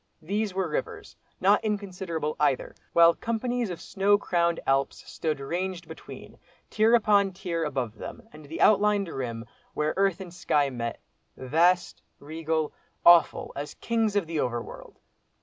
These were rivers—not inconsiderable either—while companies of snow crowned Alps stood ranged between, tier upon tier above them and the outlined rim, where earth and sky met, vast, regal, awful, as Kings of the Over world!